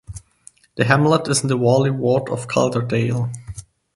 The hamlet is in the Warley ward of Calderdale.